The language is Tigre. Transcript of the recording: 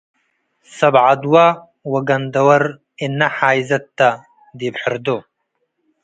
ሰብ ዐድወ ወገንድወር እ’ነ ሓይዘትተ ዲብ ሕርዶ